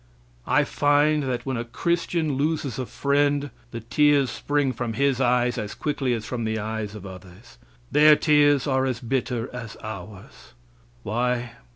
I find that when a Christian loses a friend the tears spring from his eyes as quickly as from the eyes of others. Their tears are as bitter as ours. Why?